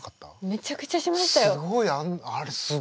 めちゃくちゃしました